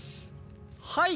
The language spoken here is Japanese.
はい。